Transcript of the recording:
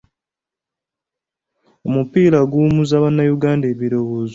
Omupiira guwummuza Bannayuganda ebirowoozo.